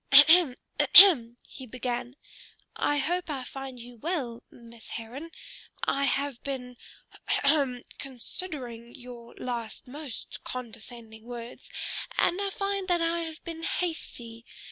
"Ahem, ahem!" he began. "I hope I find you well, Miss Heron? I have been ha hum! considering your last most condescending words, and I find that I have been hasty.